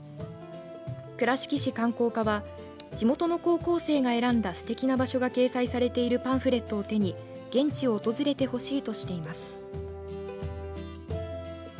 倉敷市観光課は地元の高校生が選んだすてきな場所が掲載されているパンフレットを手に現地を訪れてほしいとしています。